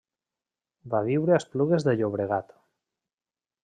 Va viure a Esplugues de Llobregat.